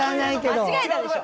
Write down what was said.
間違えたでしょ？